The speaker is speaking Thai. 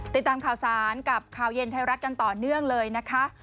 ติดตามข่าวสารกับข่าวเย็นไทยรัฐกันต่อเนื่องเลยนะคะ